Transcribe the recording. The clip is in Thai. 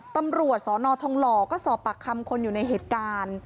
ตำรวจสนทองหล่อก็สอบปากคำคนอยู่ในเหตุการณ์